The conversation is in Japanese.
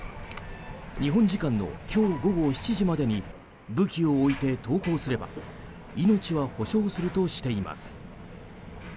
日本時間の今日午後７時までに武器を置いて投降すれば命は保証するとしています。